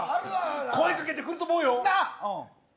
声掛けてくると思うよ。